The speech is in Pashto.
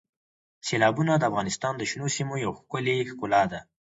سیلابونه د افغانستان د شنو سیمو یوه ښکلې ښکلا ده.